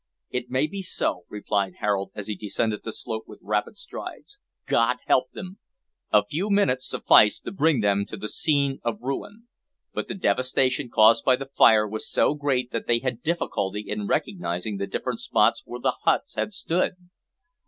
"It may be so," replied Harold, as he descended the slope with rapid strides. "God help them!" A few minutes sufficed to bring them to the scene of ruin, but the devastation caused by the fire was so great that they had difficulty in recognising the different spots where the huts had stood.